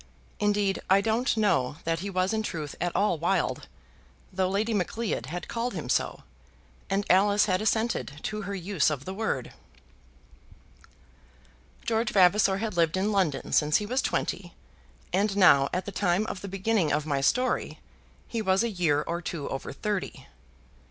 Indeed, I don't know that he was in truth at all wild, though Lady Macleod had called him so, and Alice had assented to her use of the word. George Vavasor had lived in London since he was twenty, and now, at the time of the beginning of my story, he was a year or two over thirty.